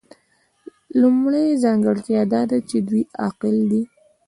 لومړۍ ځانګړتیا دا ده چې دوی عاقل دي.